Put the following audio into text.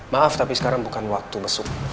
maaf tapi sekarang bukan waktu mesum